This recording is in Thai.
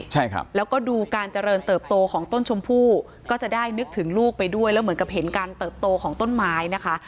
ใช่ครับแล้วก็ดูการเจริญเติบโตของต้นชมพู่ก็จะได้นึกถึงลูกไปด้วยแล้วเหมือนกับเห็นการเติบโตของต้นไม้นะคะ